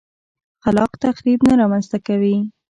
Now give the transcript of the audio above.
خلاق تخریب نه رامنځته کوي.